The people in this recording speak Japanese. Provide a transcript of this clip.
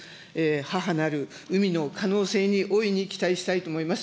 母なる海の可能性に大いに期待したいと思います。